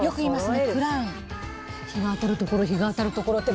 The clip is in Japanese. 日が当たるところ日が当たるところってこうやって。